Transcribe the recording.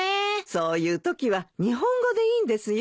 そういうときは日本語でいいんですよ。